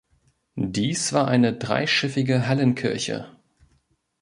Dies war eine dreischiffige Hallenkirche.